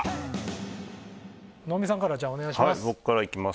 能見さんからお願いします。